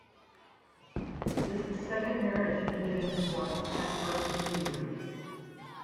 This second marriage ended in divorce after a few years.